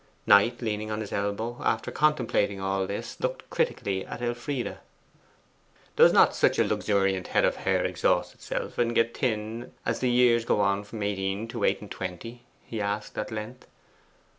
Knight, leaning on his elbow, after contemplating all this, looked critically at Elfride. 'Does not such a luxuriant head of hair exhaust itself and get thin as the years go on from eighteen to eight and twenty?' he asked at length.